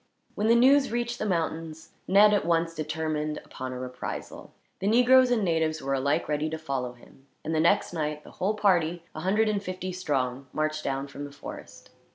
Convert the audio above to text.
When the news reached the mountains, Ned at once determined upon a reprisal. The negroes and natives were alike ready to follow him, and the next night the whole party, a hundred and fifty strong, marched down from the forest.